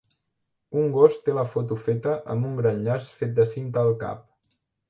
Un gos té la foto feta amb un gran llaç fet de cinta al cap.